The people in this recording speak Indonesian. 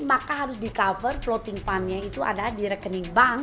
maka harus di cover floating fund nya itu ada di rekening bank